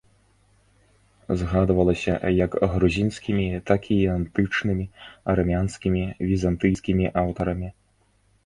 Згадвалася як грузінскімі, так і антычнымі, армянскімі, візантыйскімі аўтарамі.